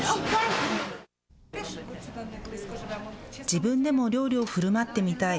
自分でも料理をふるまってみたい。